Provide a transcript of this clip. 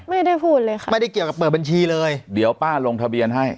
ไม่ได้พูดเลยค่ะไม่ได้เกี่ยวกับเปิดบัญชีเลยเดี๋ยวป้าลงทะเบียนให้